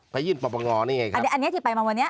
ไปยื่นประปังงอนี่ไงครับอันนี้ที่ไปมาวันนี้